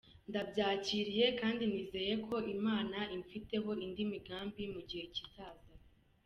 Nabyakiriye kandi nizeye ko Imana imfiteho indi migambi mu gihe kizaza.